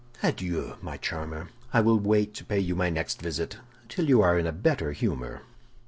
Adieu, my charmer; I will wait to pay you my next visit till you are in a better humor.